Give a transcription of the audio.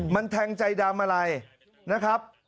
มันแทงใจดำอะไรนะครับ